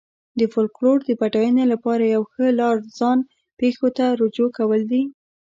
د فولکلور د بډاینې لپاره یوه ښه لار ځان پېښو ته رجوع کول دي.